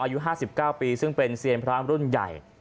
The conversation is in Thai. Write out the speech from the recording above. อายุ๕๙ปีซึ่งเป็นเซียนพระรุ่นใหญ่